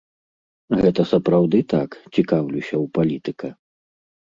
Гэта сапраўды так, цікаўлюся ў палітыка?